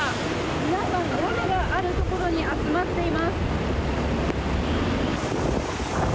皆さん、屋根があるところに集まっています。